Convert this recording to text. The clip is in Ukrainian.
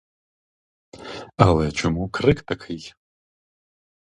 Але чому крик такий?